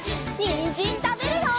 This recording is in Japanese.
にんじんたべるよ！